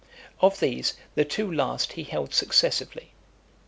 Of these, the two last he held successively.